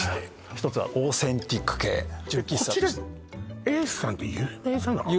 １つはオーセンティック系こちらエースさんって有名じゃない？